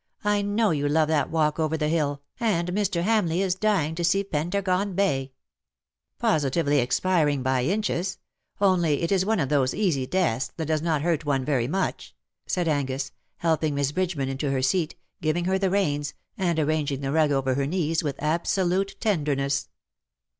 I know you love that walk over the hill, 112 "■ LOVE ! THOU ART LEADING ME and Mr. Hamleigh is dying to see Pentargon Bay "" Positively expiring by inches ; only it is one of those easy deaths that does not hurt one very much/'' said Angus, helping Miss Bridgeman into her seatj giving her the reins, and arranging the rug over her knees with absolute tenderness.